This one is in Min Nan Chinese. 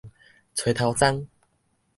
吹頭鬃